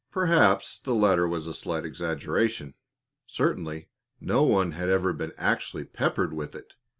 Perhaps the latter was a slight exaggeration; certainly no one had ever been actually peppered with it.